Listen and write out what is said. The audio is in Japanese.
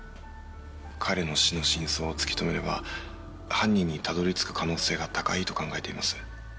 彼の死の真相を突き止めれば犯人にたどりつく可能性が高いと考えています。